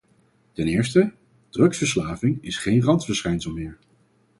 Ten eerste: drugsverslaving is geen randverschijnsel meer.